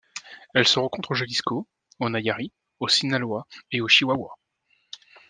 Elle se rencontre au Jalisco, au Nayarit, au Sinaloa et au Chihuahua.